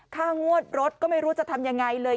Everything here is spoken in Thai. ค่างวดรถก็ไม่รู้จะทำยังไงเลย